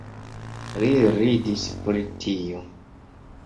Li ridis pri tio.